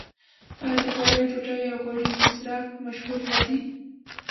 آیا د غوړیو ډوډۍ یا غوړي بسراق مشهور نه دي؟